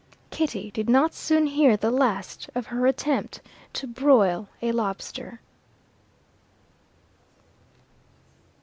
Kitty did not soon hear the last of her attempt to broil a lobster.